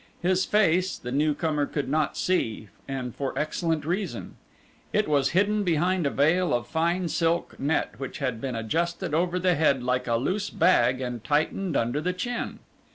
His face the new comer could not see and for excellent reason. It was hidden behind a veil of fine silk net which had been adjusted over the head like a loose bag and tightened under the chin.